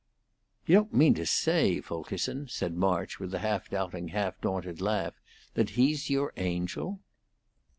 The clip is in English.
"You don't mean to say, Fulkerson," said March, with a half doubting, half daunted laugh, "that he's your Angel?"